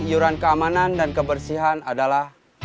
iuran keamanan dan kebersihan adalah